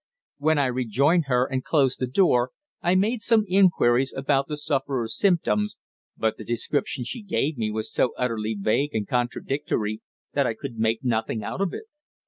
When I rejoined her and closed the door I made some inquiries about the sufferer's symptoms, but the description she gave me was so utterly vague and contradictory that I could make nothing out of it.